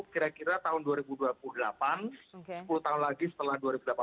kira kira tahun dua ribu dua puluh delapan sepuluh tahun lagi setelah dua ribu delapan belas